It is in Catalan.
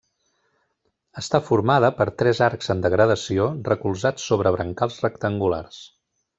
Està formada per tres arcs en degradació recolzats sobre brancals rectangulars.